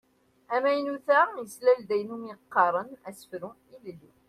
Amaynut-a yeslal-d ayen i wumi qqaren asefru ilelli.